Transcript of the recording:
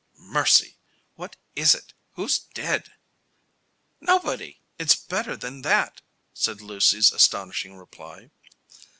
"Mercy! What is it? Who's dead?" "Nobody! It's better than that," was Lucy's astonishing reply.